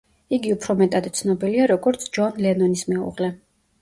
იგი უფრო მეტად ცნობილია, როგორც ჯონ ლენონის მეუღლე.